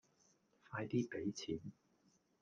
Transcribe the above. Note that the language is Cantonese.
快啲俾錢